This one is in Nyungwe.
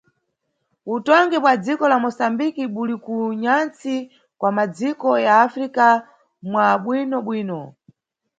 Utongi bwa dziko la Moçambique buli ku nyantsi kwa, madziko ya Africa, mwa bwino-bwino.